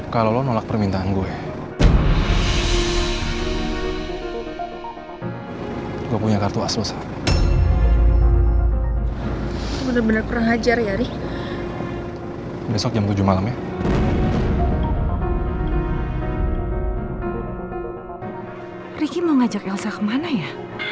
karena untuk saat ini yang paling penting adalah kesembuhan masalah sih buat saya